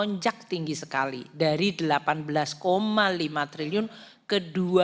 lonjak tinggi sekali dari delapan belas lima triliun ke dua ratus sembilan puluh tiga lima